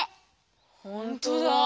ほんとだ。